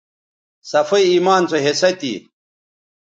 صفائ ایمان سو حصہ تھی